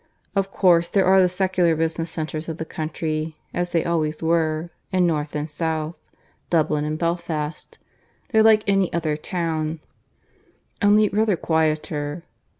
Of course there are the secular business centres of the country, as they always were, in north and south Dublin and Belfast; they're like any other town, only rather quieter.